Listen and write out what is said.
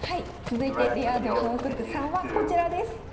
続いてレア度反則３はこちらです。